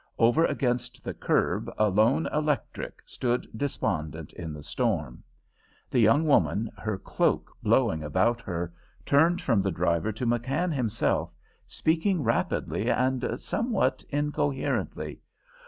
Over against the curb a lone electric stood despondent in the storm. The young woman, her cloak blowing about her, turned from the driver to McKann himself, speaking rapidly and somewhat incoherently.